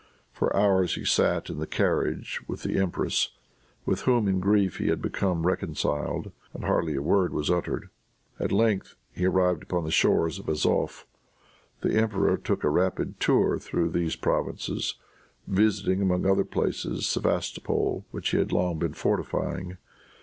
For hours he sat in the carriage with the empress, with whom in grief he had become reconciled, and hardly a word was uttered. At length they arrived upon the shores of Azof. The emperor took a rapid tour through these provinces, visiting among other places Sevastopol, which he had long been fortifying.